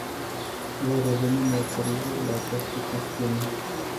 Voi reveni mai târziu la această chestiune.